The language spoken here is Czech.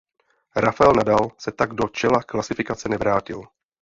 Rafael Nadal se tak do čela klasifikace nevrátil.